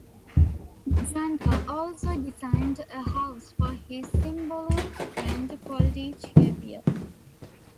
Janco also designed a house for his "Simbolul" friend Poldi Chapier.